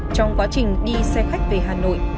trong quá trình đi xe khách về hà nội